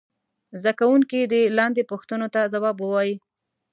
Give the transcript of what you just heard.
زده کوونکي دې لاندې پوښتنو ته ځواب ووايي.